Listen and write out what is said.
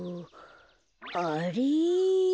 あれ？